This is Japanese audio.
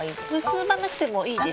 結ばなくてもいいです。